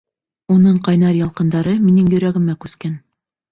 Уның ҡайнар ялҡындары минең йөрәгемә күскән.